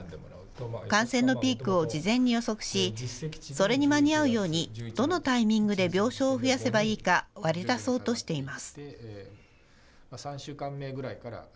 感染のピークを事前に予測し、それに間に合うようにどのタイミングで病床を増やせばいいか割り出そうとしています。